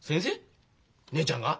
姉ちゃんが？